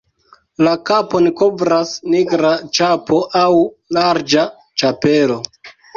La kapon kovras nigra ĉapo aŭ larĝa ĉapelo.